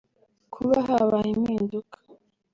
“Kuba habaye impinduka